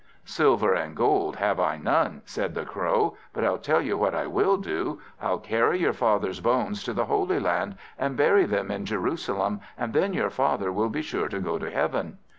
~" "Silver and gold have I none," said the Crow, "but I'll tell you what I will do. I'll carry your father's bones to the Holy Land, and bury them in Jerusalem, and then your father will be sure to go to heaven."